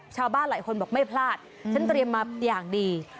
ชาวบ้านหลายคนบอกไม่พลาดฉันเตรียมมาอย่างดี